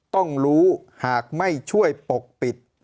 ต้องรู้หากไม่ช่วยปกปิด